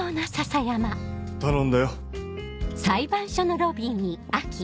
頼んだよ。